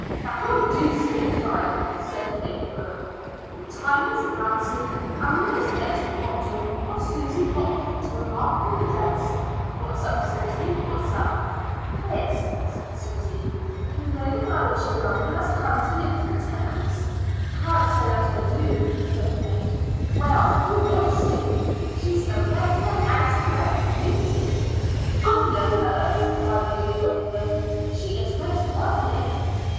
"That'll do, Spitfire," said Kate Rourke. "The time is passing, and we must get to the bottom of Susy Hopkins's remarkable address. What's up, Susy? What's up?" "This," said Susy. "You know the Irish girl who has come to live with the Tennants?" "Can't say I do," said Kate. "Well, you will soon. She's a regular out and out beauty." "I know her," cried Ruth Craven. "She is most lovely."